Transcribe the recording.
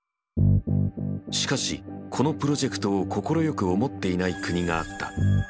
しかしこのプロジェクトを快く思っていない国があった。